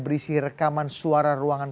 berisi rekaman suara ruangan